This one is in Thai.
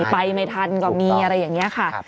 ไปไม่ทันก็มีอะไรอย่างนี้ค่ะ